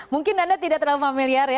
mungkin anda tidak terlalu familiar ya